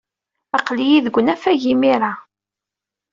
Aql-iyi deg unafag imir-a.